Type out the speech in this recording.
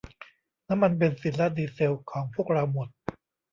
น้ำมันเบนซินและดีเซลของพวกเราหมด